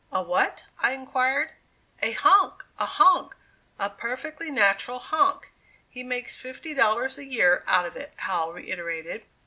"A what?" I inquired. "A honk! a honk! a perfectly natural honk! he makes fifty dollars a year out of it," Howell reiterated.